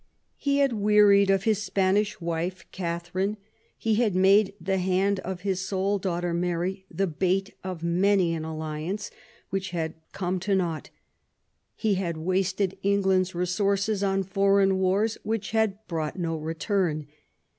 He had wearied of his Spanish wife, Catherine ; he had made the hand of his sole daughter, Mary, the bait of many an alliance, which had come to nought. He had wasted England's resources on foreign wars, which had brought no return.